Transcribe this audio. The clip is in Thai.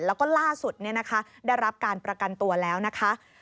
แล้วก็ล่าสุดได้รับการประกันตัวแล้วนะคะ